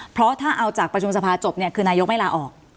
เพราะถ้าเอาจากประชุมสภาจบเนี่ยคือนายกไม่ลาออก